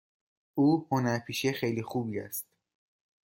او هنرپیشه خیلی خوبی است.